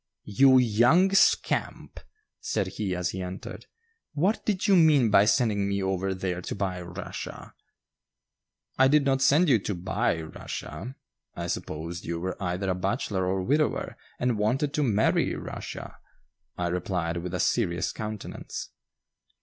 "You young scamp!" said he as he entered; "what did you mean by sending me over there to buy Russia?" "I did not send you to buy Rushia; I supposed you were either a bachelor or widower and wanted to marry Rushia," I replied, with a serious countenance.